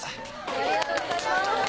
ありがとうございます。